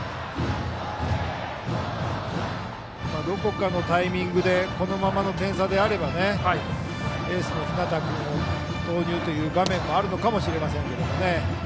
どこかのタイミングでこのままの点差であればエースの日當君を投入という場面もあるのかもしれませんが。